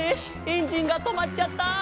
エンジンが止まっちゃったー！」